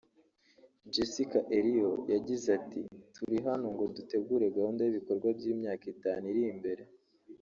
Jessica Eriyo yagize ati “Turi hano ngo dutegure gahunda y’ibikorwa by’imyaka itanu iri imbere